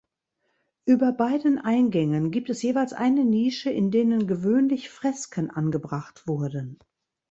Über beiden Eingängen gibt es jeweils eine Nische in denen gewöhnlich Fresken angebracht wurden.